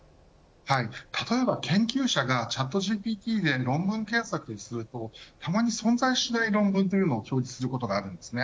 例えば、研究者がチャットＧＰＴで論文検索するとたまに、存在しない論文というのを表示することがあるんですね。